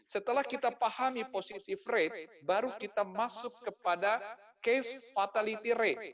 setelah kita pahami positive rate baru kita masuk kepada case fatality rate